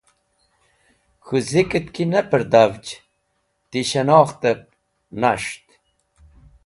K̃hũ zikẽt ki ne pẽrdhavj ti shẽnokhtẽb nas̃ht.